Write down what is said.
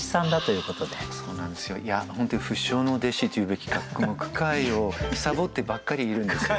いや本当に不肖の弟子というべきか句会をサボってばっかりいるんですよ。